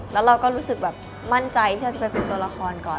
แล้วเราก็รู้สึกแบบมั่นใจที่เราจะไปเป็นตัวละครก่อน